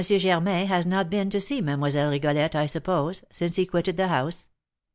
Germain has not been to see Mlle. Rigolette, I suppose, since he quitted the house?"